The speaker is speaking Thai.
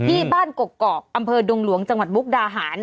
ที่บ้านกกอกอำเภอดงหลวงจังหวัดมุกดาหาร